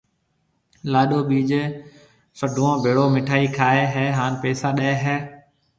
لاڏو ٻيجيَ سڊوئون ڀيڙو مِٺائِي کائيَ ھيَََ ھان پيسا ڏَي ھيََََ